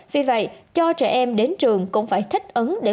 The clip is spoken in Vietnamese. vì vậy cho trẻ em đến trường cũng phải thích ứng